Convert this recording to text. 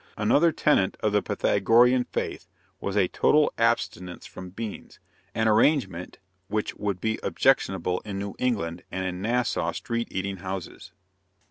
Another tenet of the Pythagorean faith was a total abstinence from beans, an arrangement which would be objectionable in New England and in Nassau street eating houses.